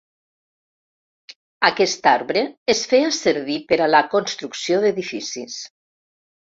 Aquest arbre es feia servir per a la construcció d'edificis.